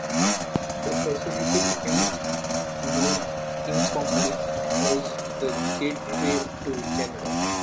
The facility became known informally as the 'Gateway to Canada.